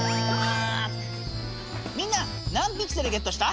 みんな何ピクセルゲットした？